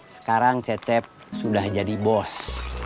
sekarang cecep sudah jadi bos